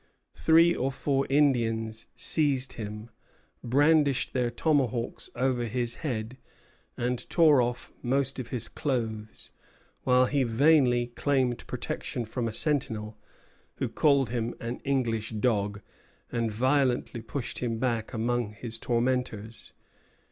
Three or four Indians seized him, brandished their tomahawks over his head, and tore off most of his clothes, while he vainly claimed protection from a sentinel, who called him an English dog, and violently pushed him back among his tormentors.